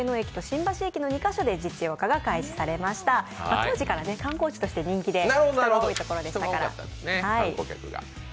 当時から観光地として人気で人が多いところでしたから。